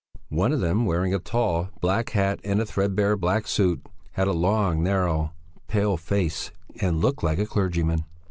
One of them, wearing a tall, black hat and a threadbare, black suit, had a long, narrow, pale face, and looked like a clergyman.